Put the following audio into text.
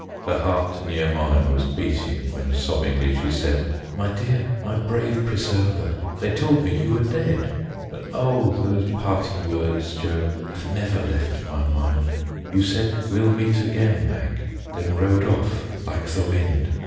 Her heart near mine was beating When sobbingly she said, "My dear, my brave preserver, They told me you were dead. But oh, those parting words, Joe, Have never left my mind, You said, 'We'll meet again, Mag,' Then rode off like the wind.